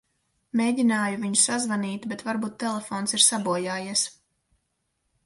Mēģināju viņu sazvanīt, bet varbūt telefons ir sabojājies.